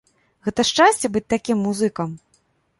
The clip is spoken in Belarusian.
Гэта шчасце быць такім музыкам?